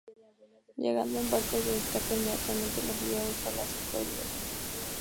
Llegando en barco se destaca inmediatamente la figura del Palacio Florio.